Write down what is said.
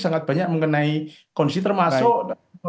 sangat banyak mengenai kondisi termasuk